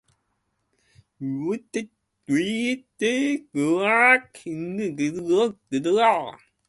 その入り口で立ちすくんでしまった。あまりに期待がみごとに的中したからである。そこで旅芸人